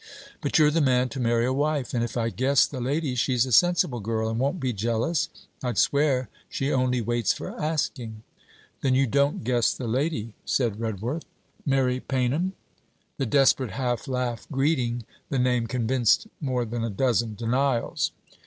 But you're the man to marry a wife; and if I guess the lady, she's a sensible girl and won't be jealous. I 'd swear she only waits for asking.' 'Then you don't guess the lady,' said Redworth. 'Mary Paynham?' The desperate half laugh greeting the name convinced more than a dozen denials.